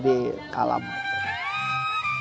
jadi lebih mudah untuk menikmati musik